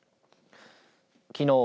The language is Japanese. きのう